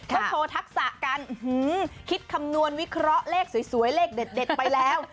เขาโชว์ทักษะกันคิดคำนวณวิเคราะห์เลขสวยเลขเด็ดไปแล้ว